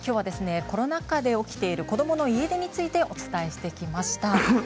きょうはコロナ禍で起きている子どもの家出についてお伝えしてきました。